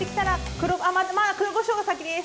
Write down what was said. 黒こしょうが先です！